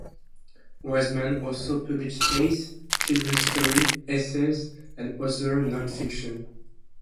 Wiseman also published plays, children's stories, essays, and other non-fiction.